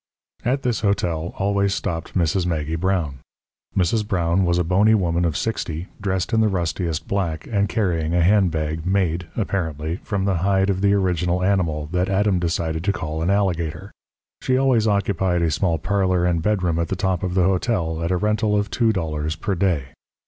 At this hotel always stopped Mrs. Maggie Brown. Mrs. Brown was a bony woman of sixty, dressed in the rustiest black, and carrying a handbag made, apparently, from the hide of the original animal that Adam decided to call an alligator. She always occupied a small parlour and bedroom at the top of the hotel at a rental of two dollars per day.